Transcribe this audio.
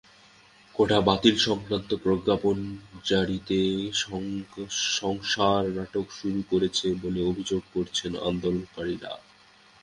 কোটা বাতিলসংক্রান্ত প্রজ্ঞাপন জারিতে সরকার নাটক শুরু করেছে বলে অভিযোগ করেছেন আন্দোলনকারীরা।